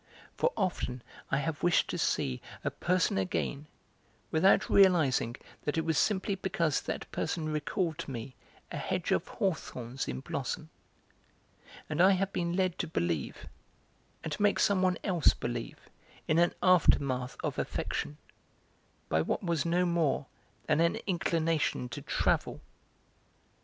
For often I have wished to see a person again without realising that it was simply because that person recalled to me a hedge of hawthorns in blossom; and I have been led to believe, and to make some one else believe in an aftermath of affection, by what was no more than an inclination to travel.